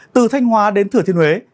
từ thanh hóa đến thửa thiên huế